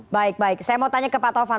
baik baik saya mau tanya ke pak tovan